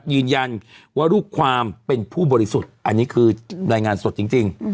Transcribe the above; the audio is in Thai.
ยืนยันว่าลูกความเป็นผู้บริสุทธิ์อันนี้คือรายงานสดจริง